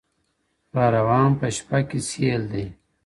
را روان په شپه كــــي ســـېــــــل دى.